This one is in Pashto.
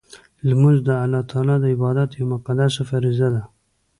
لمونځ د الله تعالی د عبادت یوه مقدسه فریضه ده.